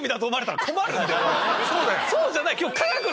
そうじゃない。